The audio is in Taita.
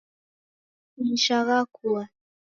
Maisha ghakua